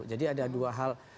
jadi ada dua hal